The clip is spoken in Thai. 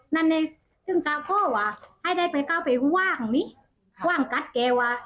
นั่นเองซึ่งก็พ่อว่าให้ได้ไปก้าวไปว่างนี่ว่างกัดแกว่ะ